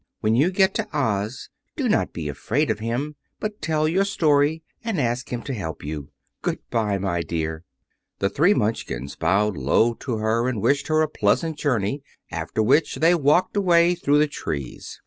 When you get to Oz do not be afraid of him, but tell your story and ask him to help you. Good bye, my dear." The three Munchkins bowed low to her and wished her a pleasant journey, after which they walked away through the trees.